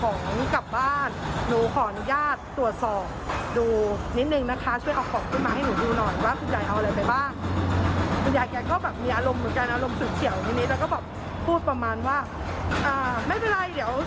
ของพวกนี้ถ้าเอาไปที่โต๊ะแล้วไม่สามารถเอาออกไปให้ลูกค้าทานได้แล้ว